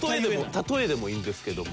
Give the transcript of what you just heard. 例えでもいいんですけども。